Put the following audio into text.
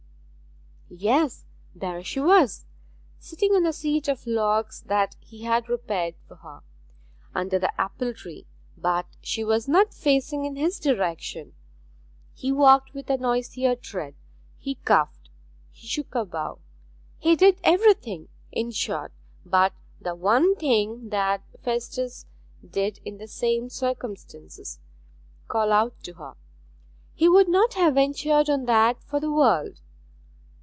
Yes, there she was, sitting on the seat of logs that he had repaired for her, under the apple tree; but she was not facing in his direction. He walked with a noisier tread, he coughed, he shook a bough, he did everything, in short, but the one thing that Festus did in the same circumstances call out to her. He would not have ventured on that for the world.